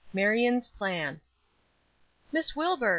MARION'S PLAN. "MISS WILBUR!